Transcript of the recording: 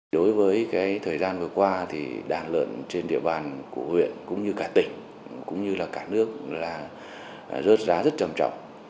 đối với thời gian vừa qua thì đàn lợn trên địa bàn của huyện cũng như cả tỉnh cũng như cả nước là rớt giá rất trầm trọng